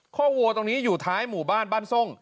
วัวตรงนี้อยู่ท้ายหมู่บ้านบ้านทรง